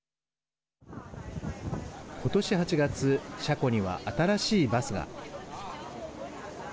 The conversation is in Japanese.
今年８月車庫には新しいバスが。